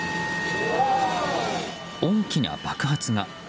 大きな爆発が。